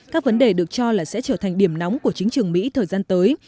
các vấn đề được cho là sẽ trở thành điểm nóng của chính trường mỹ thời gian tới